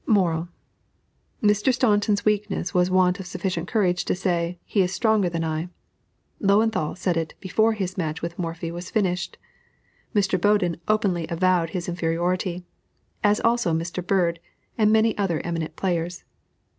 MORAL. Mr. Staunton's weakness was want of sufficient courage to say, "He is stronger than I." Löwenthal said it before his match with Morphy was finished; Mr. Boden openly avowed his inferiority, as also Mr. Bird, and many other eminent players.